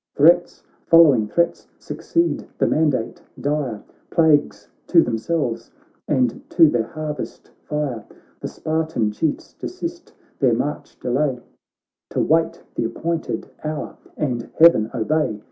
Threats following threats succeed the mandate dire. Plagues to themselves, and to their har vest fire. The Spartan Chiefs desist, their march delay To wait th' appointed hour and heaven obey.